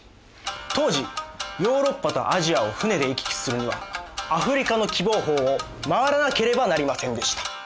当時ヨーロッパとアジアを船で行き来するにはアフリカの喜望峰を回らなければなりませんでした。